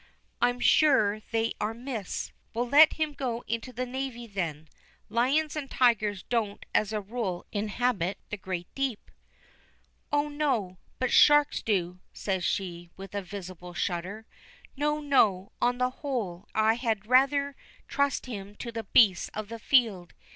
I'm sure they are myths. Well, let him go into the navy, then. Lions and tigers don't as a rule inhabit the great deep." "Oh, no; but sharks do," says she, with a visible shudder. "No, no, on the whole I had rather trust him to the beasts of the field.